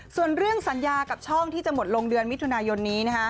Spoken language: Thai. ส่วนเรื่องสัญญากับช่องที่จะหมดลงเดือนมิถุนายนนี้